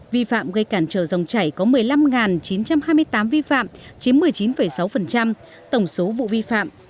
vi phạm gây cản trở dòng chảy có một mươi năm chín trăm hai mươi tám vi phạm chiếm một mươi chín sáu tổng số vụ vi phạm